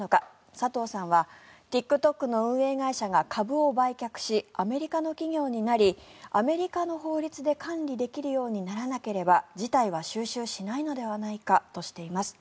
佐藤さんはＴｉｋＴｏｋの運営会社が株を売却しアメリカの企業になりアメリカの法律で管理できるようにならなければ事態は収拾しないのではないかとしています。